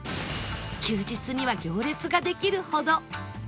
休日には行列ができるほど